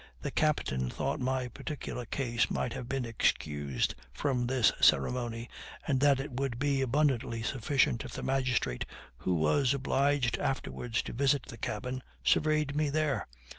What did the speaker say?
The captain thought my particular case might have been excused from this ceremony, and that it would be abundantly sufficient if the magistrate, who was obliged afterwards to visit the cabin, surveyed me there.